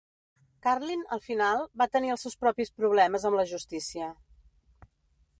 Carlin, al final, va tenir els seus propis problemes amb la justícia.